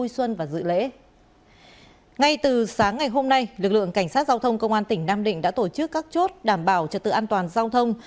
ngay sáng ngày hôm nay lực lượng cảnh sát giao thông công an tỉnh nam định đã tổ chức các chốt đảm bảo trật tự an toàn giao thông